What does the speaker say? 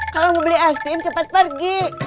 kalau mau beli es krim cepat pergi